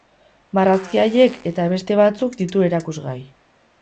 Marrazki haiek eta beste batzuk ditu erakusgai.